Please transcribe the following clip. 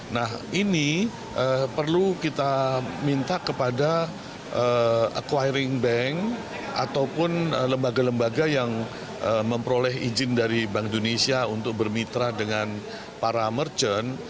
nah ini perlu kita minta kepada acquiring bank ataupun lembaga lembaga yang memperoleh izin dari bank indonesia untuk bermitra dengan para merchant